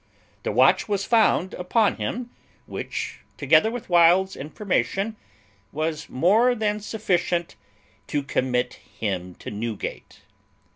The watch was found upon him, which, together with Wild's information, was more than sufficient to commit him to Newgate.